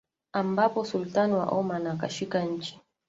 ambapo Sultan wa Oman akashika nchi